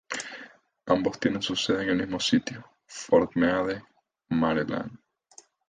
Ambos tienen su sede en el mismo sitio, Fort Meade, Maryland.